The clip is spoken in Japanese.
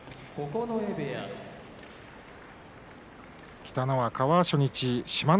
北の若は初日志摩ノ